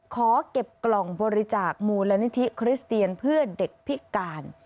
ขอเก็บกล่องบริจาคมูลนิธิคริสเตียนเพื่อเด็กพิการ